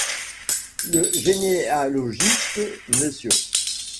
Le généalogiste Mr.